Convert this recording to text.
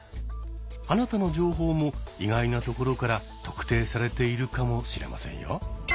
あなたの情報も意外なところから「特定」されているかもしれませんよ。